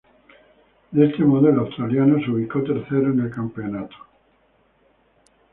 De este modo, el australiano se ubicó tercero en el campeonato.